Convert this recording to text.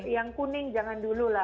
yang kuning jangan dulu